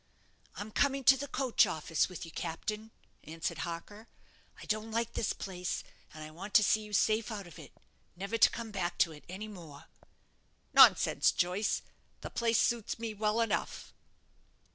"I'm coming to the coach office with you, captain," answered Harker. "I don't like this place, and I want to see you safe out of it, never to come back to it any more." "Nonsense, Joyce; the place suits me well enough."